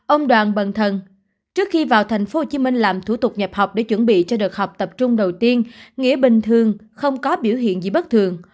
ông đoàn bần thân trước khi vào tp hcm làm thủ tục nhập học để chuẩn bị cho đợt học tập trung đầu tiên nghĩa bình thường không có biểu hiện gì bất thường